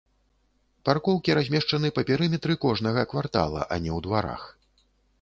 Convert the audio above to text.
Паркоўкі размешчаны па перыметры кожнага квартала, а не ў дварах.